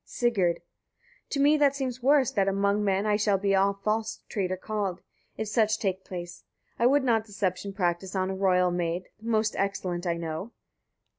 Sigurd. 40. To me that seems worst, that among men I shall be a false traitor called, if such take place. I would not deception practise on a royal maid the most excellent I know.